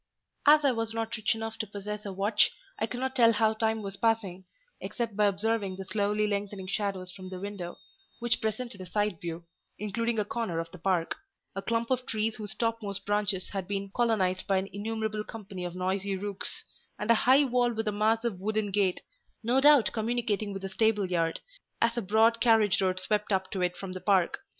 As I was not rich enough to possess a watch, I could not tell how time was passing, except by observing the slowly lengthening shadows from the window; which presented a side view, including a corner of the park, a clump of trees whose topmost branches had been colonized by an innumerable company of noisy rooks, and a high wall with a massive wooden gate: no doubt communicating with the stable yard, as a broad carriage road swept up to it from the park.